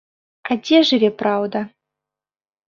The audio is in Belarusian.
А дзе жыве праўда?